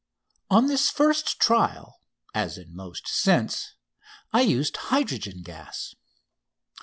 On this first trial, as in most since, I used hydrogen gas.